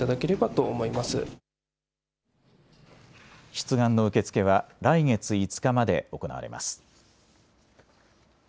出願の受け付けは来月５日まで行われます。